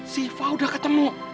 siva udah ketemu